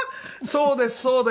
そうですそうです！